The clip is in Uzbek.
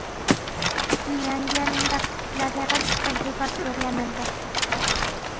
Finlyandiyaning darsliklar yaratish tajribasi o‘rganildi